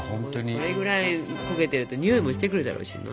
これぐらい焦げてるとにおいもしてくるだろうしな。